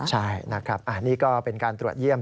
ใช่นะครับนี่ก็เป็นการตรวจเยี่ยม